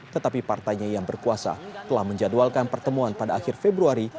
tetapi partainya yang berkuasa telah menjadwalkan pertemuan pada akhir februari